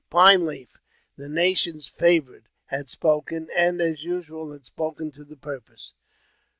Pine Leaf, the nation's favourite, had spoken, and, as usual, had spoken to the purpose.